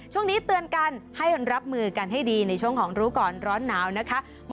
ช่วงนี้เตือนกันให้รับมือกันให้ดีในช่วงของรู้ก่อนร้อนหนาวนะคะ